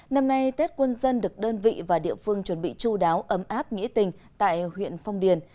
năm nay tết quân dân được đơn vị và địa phương chuẩn bị chú đáo ấm áp nghĩa tình tại huyện phong điền